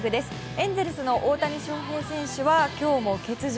エンゼルスの大谷翔平選手は今日も欠場。